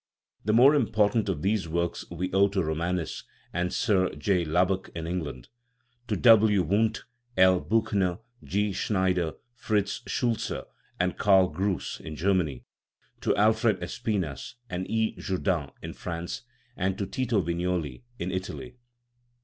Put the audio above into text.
The more impotant of these works we owe to Romanes and Sir J. Lubbock, in England ; to W. Wundt, L. Biichner, G. Schneider, Fritz Schultze, and Karl Groos, in Germany ; to Alfred Espinas and E. Jourdan, in France ; and to Tito Vig noli, in Italy.